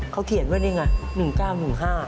เขาเขียนไว้นี่ไง๑๙๑๕